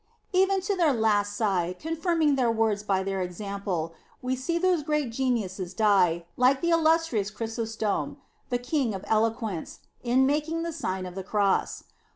^ Even to their last sigh, confirming their words by their example, we see those great geniuses die, like the illustrious Chrysostom, the king of eloquence, in making the Sign of the Cross.